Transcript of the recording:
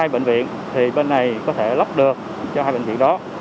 hai bệnh viện thì bên này có thể lắp được cho hai bệnh viện đó